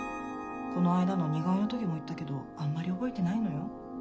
この間の似顔絵の時も言ったけどあんまり覚えてないのよ。